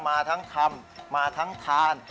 มาทั้งทำมาทั้งทาน